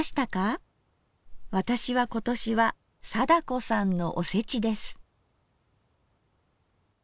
私は今年は貞子さんの「おせち」です。